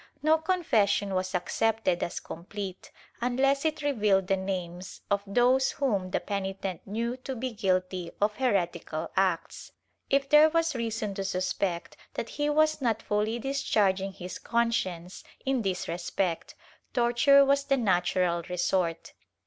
No confession was accepted as complete unless it revealed the names of those whom the penitent knew to be guilty of heretical acts, if there was reason to suspect that he was not fully discharging his conscience in this respect, torture was the natural resort.